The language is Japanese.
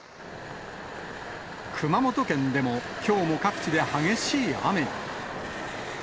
熊本県でもきょうも各地で激しい雨に。